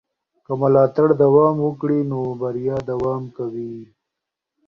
که ملاتړ دوام وکړي نو بریا دوام کوي.